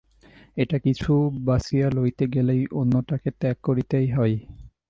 একটা-কিছু বাছিয়া লইতে গেলেই অন্যটাকে ত্যাগ করিতেই হয়।